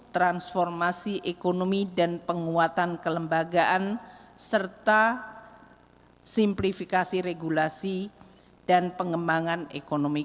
transformasi ekonomi dan penguatan kelembagaan serta simplifikasi regulasi dan pengembangan ekonomi